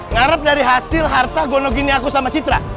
ngarep dari hasil harta gonogini aku sama citra